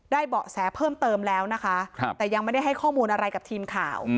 เบาะแสเพิ่มเติมแล้วนะคะแต่ยังไม่ได้ให้ข้อมูลอะไรกับทีมข่าว